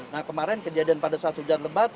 nah kemarin kejadian pada saat hujan lebat